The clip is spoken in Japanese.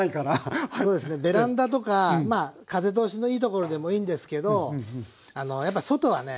ベランダとかまあ風通しのいいところでもいいんですけどあのやっぱ外はね